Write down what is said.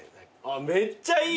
めっちゃいい。